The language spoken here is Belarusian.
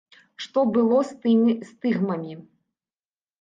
Што было з тымі стыгмамі?